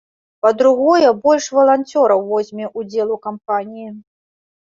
Па-другое, больш валанцёраў возьме ўдзел у кампаніі.